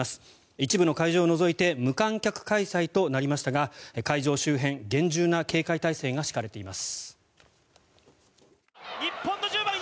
一部の会場を除いて無観客開催となりましたが会場周辺、厳重な警戒態勢が敷かれています。